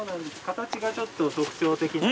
形がちょっと特徴的な。